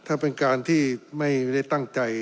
ถ้าเป็นการที่ไม่ได้ตั้งใจ